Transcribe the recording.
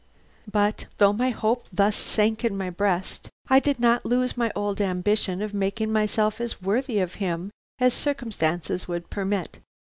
"But though hope thus sank in my breast, I did not lose my old ambition of making myself as worthy of him as circumstances would permit.